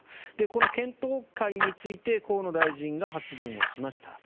この検討会について河野大臣が発言をしました。